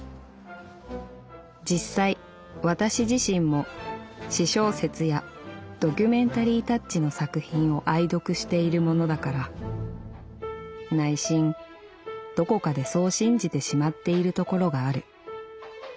実際私自身も私小説やドキュメンタリータッチの作品を愛読しているものだから内心どこかでそう信じてしまっているところがある。